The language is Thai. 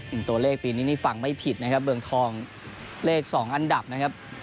ตัวเลขปีนี้นี่ฟังไม่ผิดนะครับเมืองทองเลขสองอันดับนะครับ